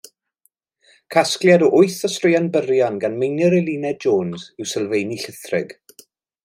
Casgliad o wyth o straeon byrion gan Meinir Eluned Jones yw Sylfeini Llithrig.